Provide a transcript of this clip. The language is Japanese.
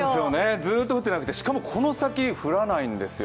ずっと降ってなくて、しかもこの先降らないン手すよ。